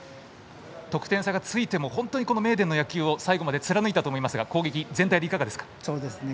得点差がついても名電の野球を最後まで貫いたと思いますが攻撃、全体でいかがですか？